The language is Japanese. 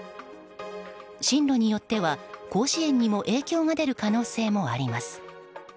進路によっては甲子園にも影響が出る可能性もあります。